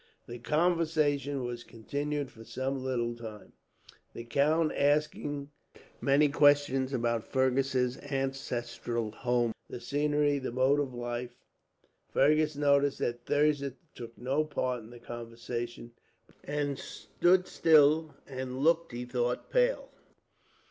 The conversation was continued for some little time, the count asking many questions about Fergus's ancestral home, the scenery, and mode of life. Fergus noticed that Thirza took no part in the conversation, but sat still; and looked, he thought, pale.